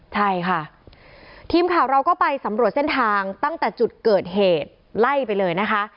ใช่ค่ะทีมข่าวเราก็ไปสำรวจเส้นทางตั้งแต่จุดเกิดเหตุไล่ไปเลยนะคะ